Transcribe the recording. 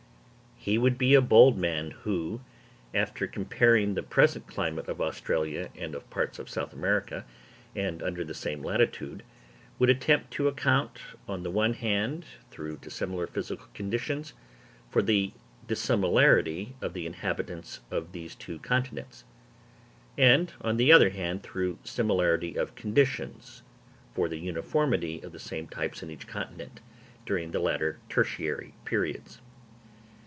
He would be a bold man who, after comparing the present climate of Australia and of parts of South America, under the same latitude, would attempt to account, on the one hand through dissimilar physical conditions, for the dissimilarity of the inhabitants of these two continents; and, on the other hand through similarity of conditions, for the uniformity of the same types in each continent during the later tertiary periods.